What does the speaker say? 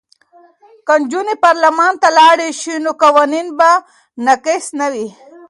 که نجونې پارلمان ته لاړې شي نو قوانین به ناقص نه وي.